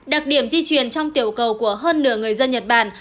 đặc điểm di chuyển trong tiểu cầu của hơn nửa người dân nhật bản